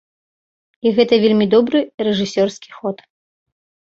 І гэта вельмі добры рэжысёрскі ход.